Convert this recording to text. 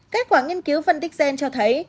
kết quả nghiên cứu phân tích gen cho thấy